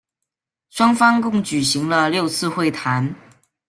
双方共举行了六次会谈。